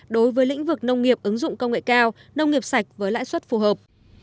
đối với lĩnh vực nông nghiệp ứng dụng công nghệ cao nông nghiệp sạch với lãi suất phù hợp